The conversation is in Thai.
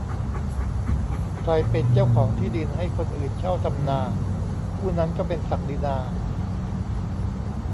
ใครเป็นเจ้าของที่ดินให้คนอื่นเช่าทำนา ผู้นั้นก็เป็นศักดินา